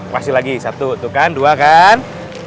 kasih lagi satu tuh kan dua kan